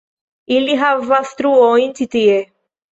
Ili havas truojn ĉi tie